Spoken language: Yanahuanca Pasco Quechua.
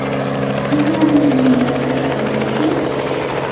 ¿imanirmi asipamanki?